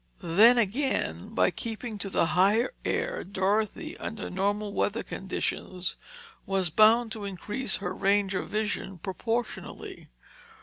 Then again, by keeping to the higher air, Dorothy, under normal weather conditions, was bound to increase her range of vision proportionately.